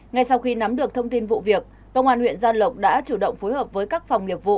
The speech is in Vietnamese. ngay sau khi nắm được thông tin vụ việc công an huyện gia lộc đã chủ động phối hợp với các phòng nghiệp vụ